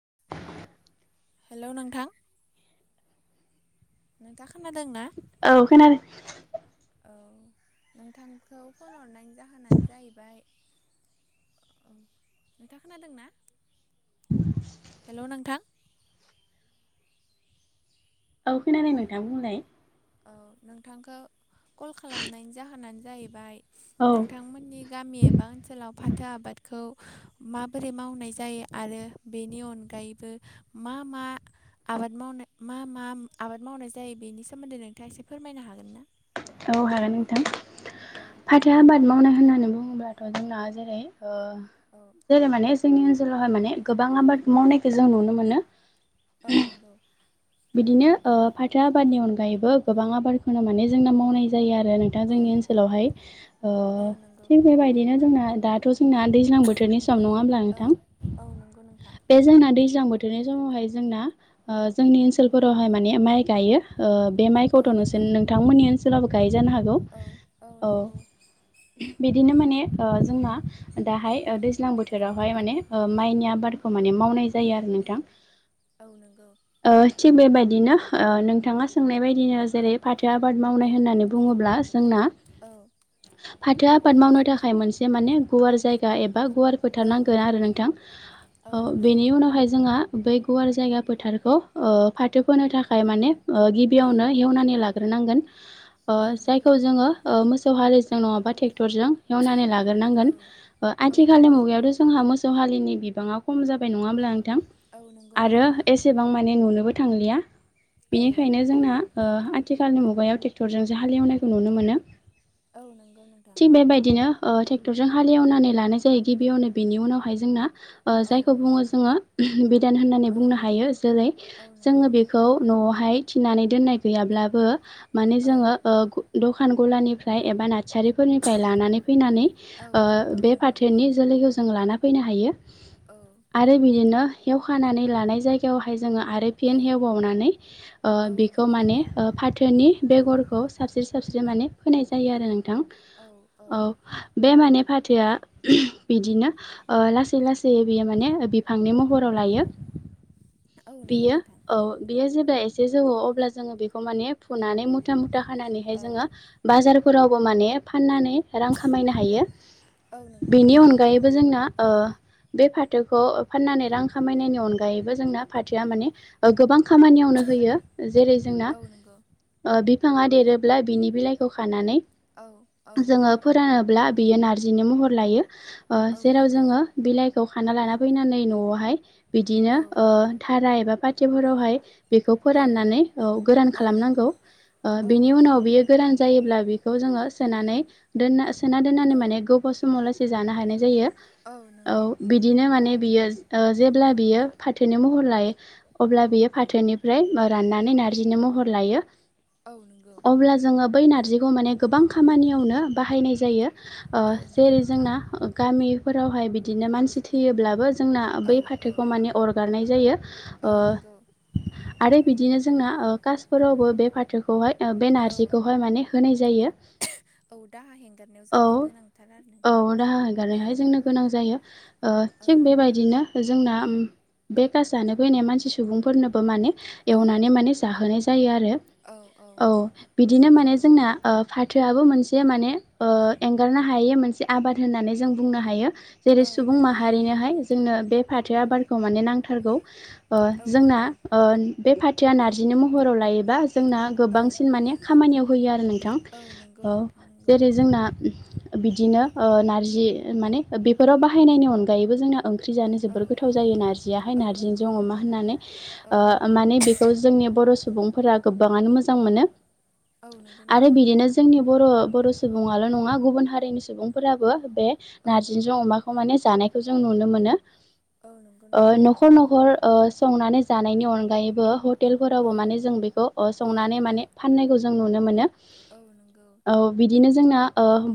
[inaudible] Hello नोंथां थाख औ खोनादो औ नोंथांखौ फन हरनायनि जाहोनानो जाहैबाय उम नोंथाङा खोनादोंना हेलौ नोंथां औ खोनादों नोंथां बुंलाय औ नोंथांखौ कल खालामनायनि जाहोनानो जाहैबाय औ नोंथांमोननि गामि एबा ओनसोलाव फाथो आबादखौ माबोरै मावनाय जायो आरो बेनि अनगायैबो मा मा आ बाद मावनाय मा मा आबाद मावनाय जायो बेनि सोमोन्दै नोंथाङा एसे फोरमायनो हागोन ना औ हागोन नोंथां औ फाथो आबाद मावनाय होननानै बुङोब्लाथ' जोंना जेरै ओ औ जेरै माने जोंनि ओनसोलावहाय माने गोबां आबाद मावनायखौ जों नुनो मोनो औ नंगौ बिदिनो ओ फाथो आबादनि अनगायैबो गोबां आबादखौनो माने जोंना मावनाय जायो आरो रो नोंथां औ जोंनि ओनसोलावहाय ओ औ नंगौ थिग बेबायदिनो जोंना दाथ' जोंना दैज्लां बोथोरनि समाव नङा होनब्ला औ औ नंगौ नोंथां नोंथां बे जोंना दैज्लां बोथ थोरनि समावहाय जोंना जोंनि ओनसोलफोरावहाय माने माइ गायो ओ बे औ माइखौथ' नोंसोन नंगौ नोंथांमोननि ओनसोलावबो गाय जानो हागौ औ औ अ नंगौ बिदिनो माने ओ जोंना दाहाय दैज्लां बोथोरावहाय माने माइनि आबादखौ माने मावनाय जायो आरो नो नोंथां औ नोंगौ ओ थिग बेबायदिनो ओ नोंथाङा सोंनाय बायदिनो जेरै फाथ थो आबाद औ मावनाय होनना बुङोब्ला जोंना औ फाथो आबाद मावनो थाखाय मोनसे माने गुवार जायगा एबा बा गुवार औ फोथारनांगोन आरो नोंथां औ नंगौ बेनि उनावहाय जोंहा बै गुवार जायगा फोथारखौ फाथो फोनो थाखाय माने औ गिबियावनो हेवनानै लाग्रोनांगोन औ नंगौ जायखौ जोङो मोसौ हा मोसौजों नङाब्ला टेक्टरजों एवनानै लाग्रोनागोन औ औ आथिखालनि नंगौ मुगायावथ जोंहा मोसौ हालिनि बिबांङा खम जाबाय नङा होनबा नोंथां औ नंगौ आरो नोंथां एसेबां मानि माने नुनोबो थांलिया औ बेनिखायनो जोंना आथिखालनि मुगायाव ट्रेक्टरजों जों हाल एवनायखौ नुनो मोनो औ नंगौ नोंथां थिग बेबायदिनो ट्रेक्टरजों हालेवनानै लानाय जायो गिबियावनो बिनि उनावहाय जोंना औ जायखौ बुङो जोङो बिदान होननानै औ बुंनो हायो जेरै औ जोङो नंगौ बेखौ न'आव हाय थिनानै दोननाय गैयाब्लाबो माने औ जोङो [unintelligible] खानगुलानिफ्राय एबा ना सारिफोरनिफ्राय लानानै फैनानै औ औ बे नंगौ फाथोनि जोलैखौ जों लाना फैनो हायो औ आरो बिदिनो एवखानानै लानाय जायगायावहाय आरो औ फिन एवबावनानै ओ औ बिखौ नंगौ माने नोंथां फाथोनि औ बेगरखौ सासे सारस्रो फोनाय जायो आरो नोंथां औ औ फाथोया बिदिनो लासै लासै बियो माने बिफांनि महराव लायो औ नंगौ बेयो नोंथां औ बेयो जेब्ला एसे जौआव अब्ला जोङो बेखौ माने फुनानै मुथा मुथा हानानैहाय औ जोङो बाजारफोरावबो माने फाननानै रां खामायनो हायो औ नंगौ बेनि नोंथां अनगायैबो जोंना बे फाथोखौ फाननानै रां खामायनायनि अनगायैबो जोंना फाथोवा गोबां खामानियावनो होयो जेरै जोंना औ नंगौ बिफाङा देरोब्ला बिनि बिलाइखौ खानानै औ औ जोङो फोरानोब्ला बियो नारजिनि महर लायो औ जेराव नंगौ जोङो बिलाइखौ खाना लाना फैनानै न'आवहाय बिदिनो औ थाराइ एबा पाथिफोरावहाय बेखौ औ फोराननानै गोरान खालामनांगौ औ बेनि उनाव नंगौ उनाव बियो गोरान जायोब्ला बेखौ जोङो सोनानै दोनना सोना दोननानै औ माने गोबाव समाव लासेै जानो हानाय जायो औ बिदिनो माने बियो जेब्ला बियो फाथोनि र लायो अब्ला बियो फाथोनिफ्राय राननानै नारजिनो महर लायो औ नंगौ अब्ला जोङो बै ना नारजिखौ माने गोबां खामानियावनो बाहायनाय जायो औ नंगौ जेरै नोंथां जोंना गामि फोरावहाय बिदिनो मानसि थैयोब्लाबो जोंना औ बै औ फाथोखौ माने अरगारनाय औ नंगौ आरो बिदिनो जोंना कासफोरावबो बे फाथोखौहाय बे औ नार्जिखौहाय माने होनाय जायो औ दाहा हेंगारनायाव औ जोंनो गोनांथार आरो नोंथां औ दाहा औ थिक बेबायदिनो जोंना बे खास जानो फैनाय होननाय मानसि सुबुंफोरनोबो माने औ एवनानै माने जाहोनाय ज जायो आरो औ बिदिनो माने नंगौ जोंना फाथोआबो मोनसे माने एंगारनो हायै मोनसे आबाद होननानै जों बुंनो हायो जेरै औ सुबुं नंगौ नोंथां माहारिनोहाय जोंनो बे फाथो आबादखौ माने नांथारगौ औ जोंना नंगौ बे फाथोआ नारजिनि महराव लायोबा जोंना औ गोबांसिन माने खामानियाव होयो आरो नोंथां औ नंगौ औ नोंथां नंगौ जेरै जोंना बिदिनो नारजि माने बेफोराव बाहायनायनि अनगायैबो जोंना ओंख्रि जानो औ जोबोर गोथाव जायो नारजि औ नंगौ न अमा नंगौ होनानै औ माने बेखौ जोंनि बर सुबुंफोरा गोबाङानो मोजां मोन औ नंगौ आरो नोंथां बिदिनो जोंनि बर' सुबुल' नङा गुबुन हारिनि सुबुंफोराबो बे औ नारजिजों अमाखौ माने जानायखौ जों नुनो मोनो औ नोंथां न'खर न'खर संनानै जानायनि अनगायैबो औ हटेलफोरावबो माने जों बेखौ औ संनानै माने फाननायखौ जों नुनो मोनो औ नंगौ औ बिदिनो जोंना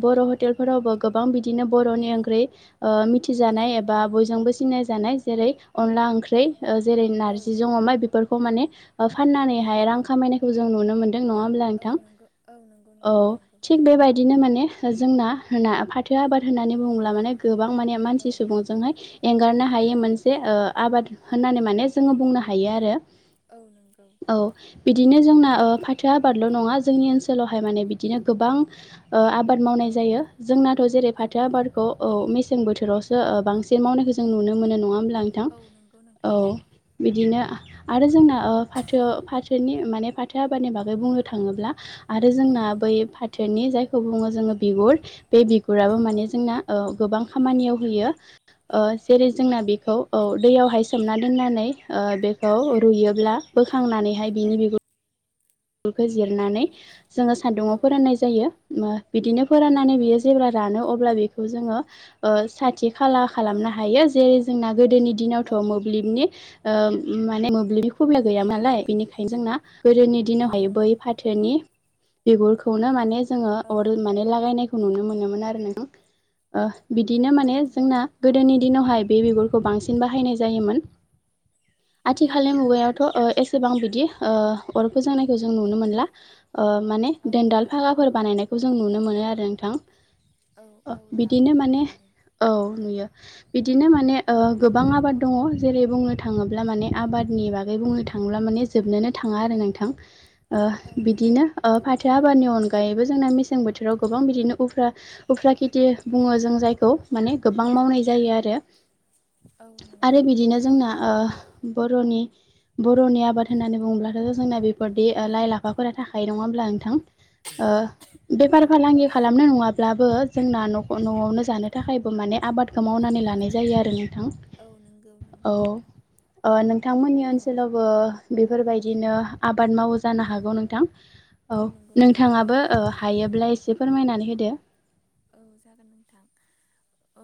बर' हटेलफोरावबो गोबां बिदिनो बर'नि ओंख्रै औ मिथिजानाय एबा बयजोंबो सिनायजानाय जेरै अनला औ ओंख्रि जेरै औ नारजिजों अमा बेफोरखौ माने औ फाननानैहाय रां नंगौ खामायनायखौ जों नुनो मोनो नङा हब्ला औ नोंथां नंगौ औ नंगौ औ नोंथां नंगौ थिक बेबायदिनो माने जोंना फाथु आबाद होन्नानै बुङोब माने गोबां माने मानसि औ सुबुंजोंहाय एंगारनो हायै औ मोनसे ओ आबाद होननानै माने जोङो बुंनो हायो आरो औ नंगौ औ बिदिनो जोंना फाथो आबाद ल' नङा जोंनि ओनसोलावहाय माने बिदिनो गोबां आबाद मावनाय औ जायो जोंनाथ' जेरै औ औ फाथो नंगौ आबादखौ मेसें बोथोर बोथोरावसो बांसिन मावनायखौ जों नुनो मोनो नङा होमब्ला नोंथां औ नंगौ नोंथां औ नंगौ। बिदिनो आरो जोंना फाथो फाथोनि माने फाथो आबादनि बागै बुंनो थाङोब्ला आरो औ जोंना बै फाथेरनि जायखौ बुङो जोङो बिगुर बे बिगुराबो औ माने जोंना गोबां खामानियाव होयो औ जेरै औ जोंना नंगौ बेखौ यावहाय सोमना दोननानै बेखौ औ रुयोब्ला बोखांनानैहाय औ बिनि बिगुर खौ जिरनानै औ जोङो औ सान्दुङाव फोराननाय जायो बिदिनो औ फोराननानै नंगौ बियो जेब्ला रानो अ अब्ला बेखौ जोङोथि खाला औ खालामनो हायो जेरै जोंना गोदोनि औ दिनावथ' मोब्लिबनि माने मोब्लिबनि खबि गैया नालाय बेनिखायनो जोंना गोदोनि दि औ बै नंगौ फाथोनि बिगुरखौनो माने जोङो औ अर माने लागायनायखौ नुनो मोनोमोन आरो नों बिदिनो औ माने नंगौ जोंना गोदोनि दिनावहाय बे बिगुरखौ बांसिन बाहायनाय जायोमोन आथिखालनि औ मुगायावथ' एसेबां बिदि अर फोजों नायखौ जों नुनो मोनला माने औ दोनदाल नंगौ भाखाफोर बानायनायखौ जों नुनो मोनो आरो औ नोंथां औ दाबो बिदिनो नुनो माने मोनो औ नुयो बिदिनो माने गोबां आबाद दङ जेरै बुंनो थाङोब्ला माने आबाद नि बागै बुंनो थाङोब्ला माने जोबनोनो थाङा आरो नोंथां औ नंगौ बिदिनो फाथो आबादनि अनगाै आनगायैबो जोंना मेसें बोथोराव गोबां बिदिनो्रा उफ्रा खेथि बुङो जों जायखौ माने गोबां मावनाय जायो आरो औ नंगौ आरो बिदिनो जोंना बरनि बर'नि आबाद होननानै बुङोब्लाथ' जोंना बे दि लाइ लाफाफोरा थाखाय नङााबब्ला नोंथां औ बेफार फालांगि खालामनो नङा अ्लाबो जोंना न'आवनो जानो थाखायबो माने आबादखौ मावनानै लानाय जायो आरो न नोंथां औ नंगौ नंगौ नोंथां औ नोंथांमोननि औ ओनसोलावबो बेफोरबायदिनो आबाद मावो जानो औ हागौ नोंथां औ नंगौ नोंथां नोंथाङाबो मावो हायोब्ला एसे फोरमायनानै होदो औ जागोन नोंथां औ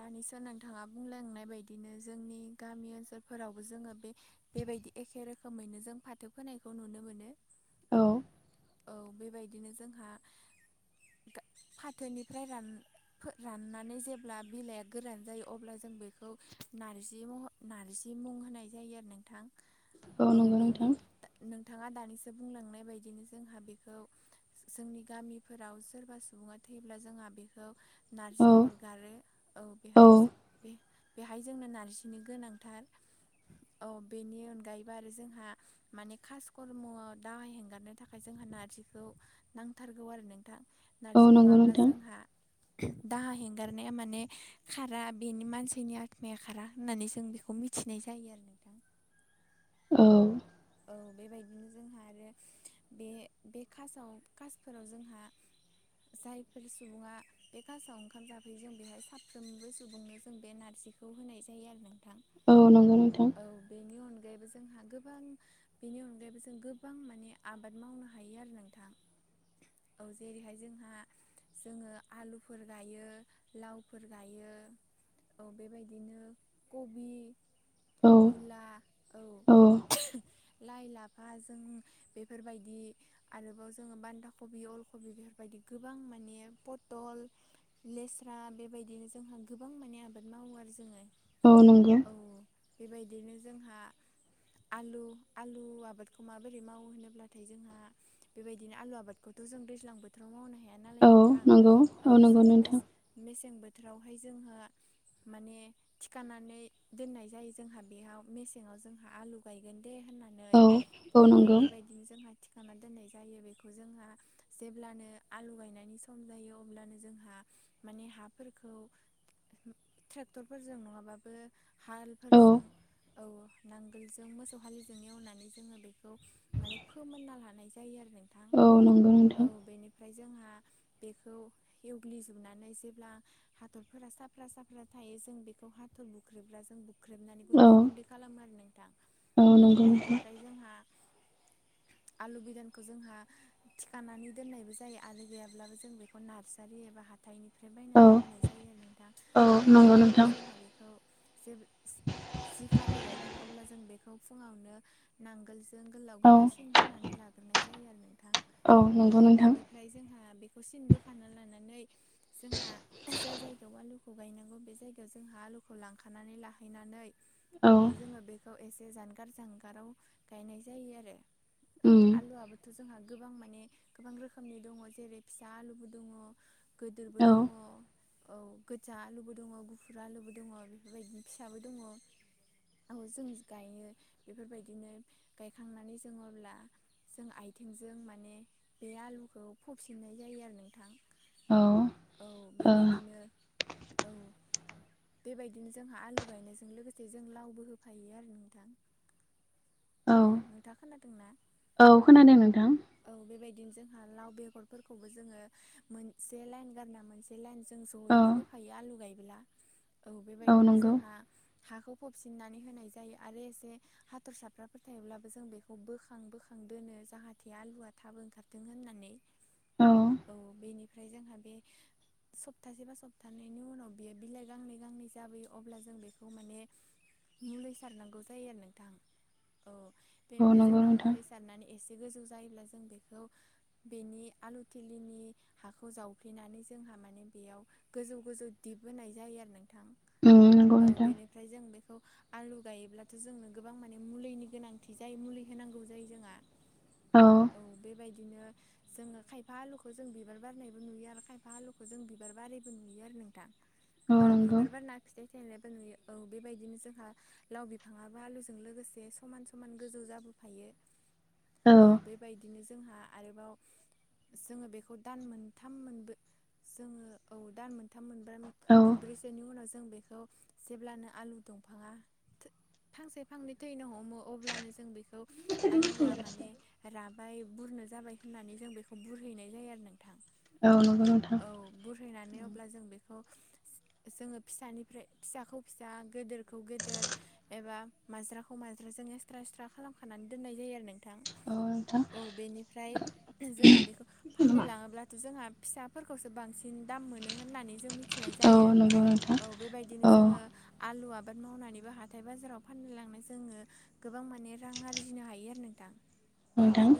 दानिसो नोंथाङा बुंलायांनाय बदिनो जोंनि गामि ओनसोलफोरावबो जोङो बे बेबायदि एखे रोखोमैनो जों फाथो फोनायखौ नुनो मोनो औ औ बेबायदिनो जोंहा फाथोनिफ्राय राननानै जेब्ला बिलाइया गोरान जायो अब्ला जों बेखौ नारजि महर नार्जि मुं होनाय जायो आरो नोंथां औ नंगौ बेनि नोंथां नोंथाङा दानिसो बुंलांनाय बायदिनोसै जोंहा बेखौ जोंनि गामिफोराव सोरबा सुबुङा थैयोब्ला जोंहा बेखौ औ नारजि अरगारो औ बेहाय बे बेहाय जोंनो नारजिनो गोनांथार औ बेनि अनगायैबो आरो जोंहा माने खास कर्मआव दाहा हेंगारनो थाखाय जोंहा नारजिखौ नांथारगौ आरो नोंथां औ नारजि नंगौ नङाब्ला नोंथां जोंहा दाहा हेंगारनाया माने खारा बेनि मानसिनि आत्माया खारा होननानै जों बेखौ मिथि खिनाय जायो आरो नोंथां औ औ बेबायदिनो जोंहा आरो बे कासाव कासफोराव जोंहा जायफोर सुबुङा बे कासाव ओंखाम जाफैयो जों बेहाय साफ्रोमबो सुबुंनो जों बे नार्स जिखौ होनाय जायो आरो नोंथां औ नंगौ नोंथां औ बेनि अनगायैबो जोंहा गोबां बेनि अनगायैबो जों गोबां माने आबाद मावनो हायो आरो नोंथां औ जेरैहाय जोंहा जोङो आलुफोर गायो लावफोर गायो औ बेबायदिनो कबि औ मुला औ लाइ लाफा जों बेफोरबायदि आरोबाव जोङो बान्दा कबि अल खबि बेफोर गोबां माने फथल लेस्रा बेबायदिनो जोंहा गोबां मान आबाद माव मावो आरो जोङो औ नंगौ औ बेबायदिनो जोंहा आलु आलु आबादखौ माबोरै मावो होनोब्लाथाय जोंहा बेबायदिनो आलु आबादखौथ जों दैज्लां बोथोराव मावनो हाया नालाय नों औ नांगौ औ नंगौ नोंथां मेसें बोथोरावहाय जोंङहा माने थिखानानै दोननाय जायो जोंहा बेयाव मेसेंङाव जो आलु गायनो दे होननानै औ औ नंगौ बेबादि जोङो थिखांना दोननाय जायो बेखौ जोंहा जेब्लानो आलु गायनायनि सम जायो अब्लानो जोंहा माने हाफोरखौ ट्रेक्टरफोरजों नङाबाबो औ हालफोरजों औ नांगोलजों मोसौ फालिजों एवनानै जोङो बेखौ माने फोमोनना लानाय जायो आरो औ नंगौ नोंथां ओमफ्राय जोंहा बेखौ एवग्लिजोबनानै जेब्ला हाथरफोरा साफा साफ्रा बे जों बेखौ हाथुर बुख्रेब जों बु बुख्रेबनानै औ गुन्दै गुन्दै खालामो आरो नोंथां औ नंगौ नोंथां बेनिफ्राय जोंहा आलु बिदानखौ जोंहा थिखानानै दोननायबो जायो आलु गैयाब्लाबो जों बेखौ नार्सारि एबा हाथाइनिफ्राय बायना औ लाबोनाय जायो नोंथां औ नंगौ अबेनिफ्राय नोंथां जोंहा बेखौ जि खालि गायगोन अब्ला जों बेखौ फुङावनो नांगोलजों गोलाव औ गोलावसिन बोनानै लाग्रोनाय जायो आरो औ नंगौ नोंथां बेनिफ्राय जोंहा सिन बोखा लानानै जोंहा ज जायगायाव आलुखौ गायनांगौ बे जायगायाव जोंहा लाखानानै लाखानानै औ बेखौ जोङो एसे जानो गार जांगाराव गायनाय जायो आरो औ उम आलुआबोथ जोंहा गोबां माने गोबां रोखोमनि दङ जेरै फिसा आलुबो दङ गोदोरबो औ दङ औ गोजा आलुबो दङ गुफुर आलुबो दङ बेफोरबायदिनो फिसाबो दङ जों गायो बेफोरबायदिनो गायखांनानै जोङो अब्ला जों आथिंजों माने बे आलुखौ फबफिननाय जायो आरो नोंथां औ ओ बेबायदिनो औ बेबायदिनो जोंहा आलु गायनायजों लोगोसे जों लावबो होफायो आरो नोंथां औ नोंथाङा खोनादोंना औ खोनादों नोंथां औ बेबायदिनो जों लाव बेगरफोरखंबो जोङो मोनसे लाइन गारना‌ मोनसे जों औ जयैनो होफायो आलु गायब्ला औ बेबायदिनो जोंहा हाखौ फबसिननानै होनाय जायो आरो एसे हाथरसाफ्रा फोथायब्लाबो जों बेखौ बोखां बोखां दोनो जाहाथे आलुआ थाबो ओंखारदों होननानै औ बेनिफ्राय जोंहा बे सप्तासे बा सप्तानैनि उनाव बियो बिलाइ गांनै गांनै जाबोयो अब्ला जों बेखौ माने मुलि सारनांगौ जायो आरो नोंथां औ औ बेनिफ्राय नंगौ जोंहा नोंथां मुलि सारनानै एसे गोजौ जायोब्ला जों बेखौ बेनि आलु थिलिनि हाखौ जावफ्लेनानै जोंहा माने बेयाव गोजौ गोजौ दिप होनोनाय जायो आरो न उम नंगौ औ नोंथां बेनिफ्राय जों बेखौ आलु गायोब्लाथ' जोंनो गोबां माने मुलिनि गोनांथि जायो मुलि होनांगौ जायो जोंहा औ बेबायदिनो जोङो खायफा आलुखौ जों बिबार बारनायबो नुयो आरो खायफा आलुखौ जों बिबार बारैबो नुयो आरो नोंथां औ बिबार बारना खिथाय थायनो न औ बेबायदिनो जोंहा लाव बिफां आलुजों लोगोसे समान समान गोजौ जाबोफायो औ बेबायदिनो जोंहा आरोबाव जोङो बेखौ दान मोनथाम मोनबो जोङो औ दान मोनथाम मोनबो औ मोनब्रैसेनि उनाव ज जों बेखौ जेब्लानो आलु दंफाङा फांसे फांनै थैनो हमो अब्ल जों बेखौ आलुआ माने राबाय बुरनो जाबाय होननानै जों बेखौ बुरहैनाय जायो आरो न थां औ नंगौ नोंथां औ बुरहैनानै अब्ला जों बेखौ जोङो फिसानिफ्राय फिसाखौ फिसा गेदेरखौ गेदेर एबा माज्राखौ माजा जों एक्सट्रा एक्सट्रा खालामनानै दोननाय जायो आरो औ नोंथां नों औ बेनिफ्राय जोंहा बेखौ फाननो लाङोब्लाथ' जोंहा फिसाफोरखौसो बांसिन दाम मोनो होननानै जों मिथि फिसिनाय औ जायो नंगौ नोंथां औ बेबायदिनो औ जोङो आलुआ आबाद मावनानैबो हाथाय बाजाराव फान लांनाय जोङो गोबां माने रां आरजिनो हायो आरो नों दां नोंथां